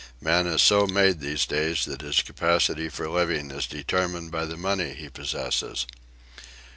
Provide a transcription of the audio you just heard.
"Man is so made these days that his capacity for living is determined by the money he possesses."